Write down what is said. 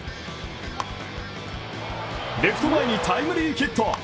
レフト前にタイムリーヒット。